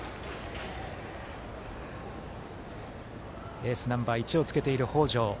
エースナンバー１をつけている北條。